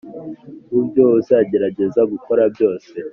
mu byo uzagerageza gukora byose,